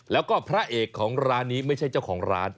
แล้วก็พระเอกของร้านนี้ไม่ใช่เจ้าของร้าน